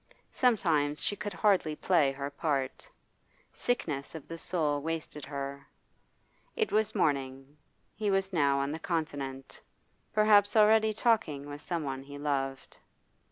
Sometimes she could hardly play her part; sickness of the soul wasted her. It was morning; he was now on the Continent, perhaps already talking with someone he loved.